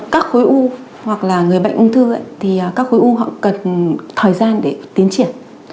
các khối u hoặc là người bệnh ung thư thì các khối u họ cần thời gian để tiến triển